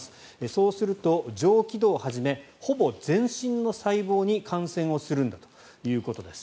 そうすると上気道をはじめほぼ全身の細胞に感染をするんだということです。